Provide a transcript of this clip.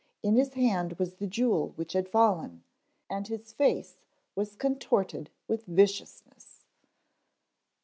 In his hand was the jewel which had fallen, and his face was contorted with viciousness.